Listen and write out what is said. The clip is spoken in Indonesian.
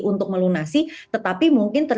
untuk melunasi tetapi mungkin